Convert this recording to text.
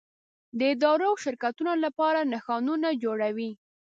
د ادارو او شرکتونو لپاره نښانونه جوړوي.